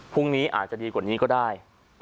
พรุ่งนี้อาจจะดีกว่านี้ก็ได้